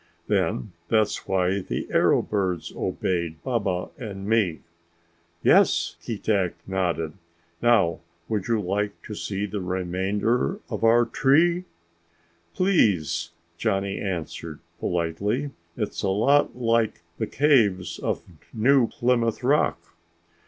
"Then that's why the arrow birds obeyed Baba and me?" "Yes," Keetack nodded. "Now would you like to see the remainder of our tree?" "Please," Johnny answered politely. "It's a lot like the caves in New Plymouth Rock."